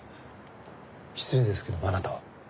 失礼ですけどあなたは？